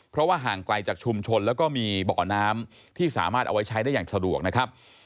เพราะว่าห่างไกลจากชุมชนแล้วก็มีบ่อน้ำที่สามารถเอาไว้ใช้ได้อย่างสะดวกนะครับ